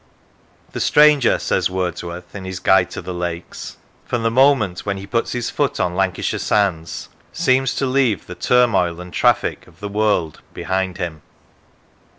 " The stranger," says Words worth in his " Guide to the Lakes," " from the moment when he puts his foot on Lancashire Sands seems to leave the turmoil and traffic of the world behind him."